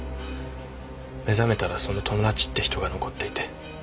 目覚めたらその友達って人が残っていて。